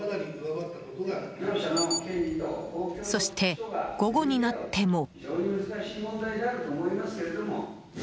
そして午後になっても。